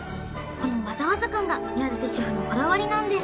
このわざわざ感が宮舘シェフのこだわりなんです